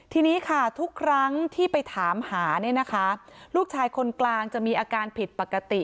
ทีนี้ค่ะทุกครั้งที่ไปถามหาเนี่ยนะคะลูกชายคนกลางจะมีอาการผิดปกติ